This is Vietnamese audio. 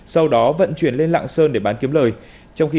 sau đó vận chuyển lên lạng sơn để bán kiếm lời